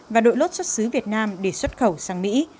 và đội lốt xuất xứ việt nam để xuất khẩu sang mỹ